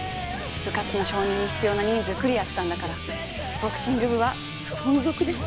部活の承認に必要な人数クリアしたんだからボクシング部は存続です！